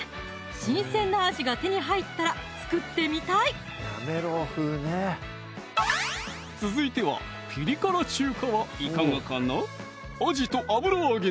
新鮮なアジが手に入ったら作ってみたい続いてはピリ辛中華はいかがかな？